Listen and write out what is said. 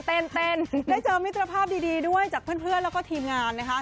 เต้นได้เจอมิตรภาพดีด้วยจากเพื่อนแล้วก็ทีมงานนะคะ